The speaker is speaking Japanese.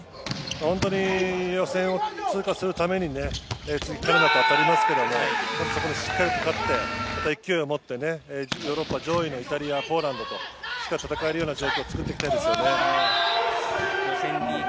本当に予選を通過するために次、カナダと当たりますがそこでしっかりと勝ってまた勢いを持ってヨーロッパ上位のイタリアポーランドとしっかり戦える状況を作っていきたいですよね。